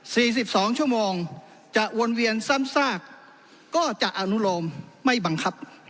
สิบสองชั่วโมงจะวนเวียนซ้ำซากก็จะอนุโลมไม่บังคับ